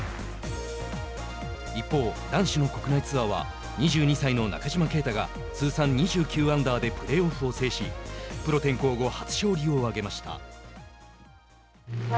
一方、男子の国内ツアーは２２歳の中島啓太が通算２９アンダーでプレーオフを制し、プロ転向後初勝利を挙げました。